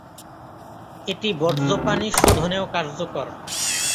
এটি বর্জ্যপানি শোধনেও কার্যকর।